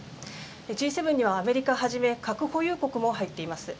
Ｇ７にはアメリカをはじめ、核保有国も入っています。